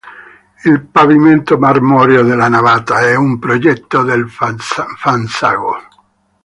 Il pavimento marmoreo della navata è un progetto del Fanzago.